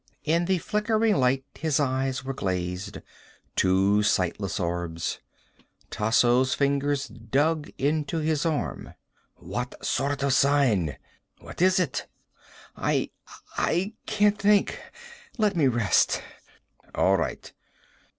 In the flickering light his eyes were glazed, two sightless orbs. Tasso's fingers dug into his arm. "What sort of sign? What is it?" "I I can't think. Let me rest." "All right."